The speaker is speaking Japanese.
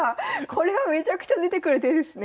これはめちゃくちゃ出てくる手ですね。